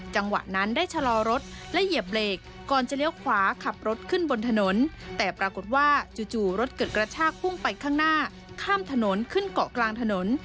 จังหวะนั้นได้ชะลอรถและเหยียบเบรกก่อนจะเลี้ยวขวาขับรถขึ้นบนถนนแต่ปรากฏว่าจู่รถเกิดกระชากพุ่งไปข้างหน้าข้ามถนนขึ้นเกาะกลางถนน